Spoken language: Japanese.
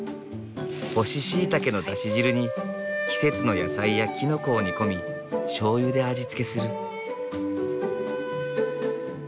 干しシイタケのだし汁に季節の野菜やキノコを煮込みしょうゆで味付けする。